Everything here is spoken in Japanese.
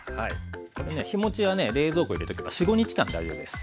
これね日もちはね冷蔵庫入れとけば４５日間大丈夫です。